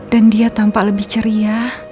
dan dia tampak lebih ceria